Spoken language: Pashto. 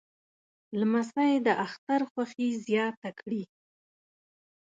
لمسی د اختر خوښي زیاته کړي.